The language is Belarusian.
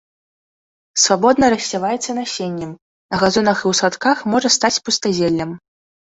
Свабодна рассяваецца насеннем, на газонах і ў садках можа стаць пустазеллем.